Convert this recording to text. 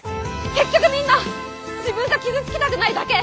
結局みんな自分が傷つきたくないだけ。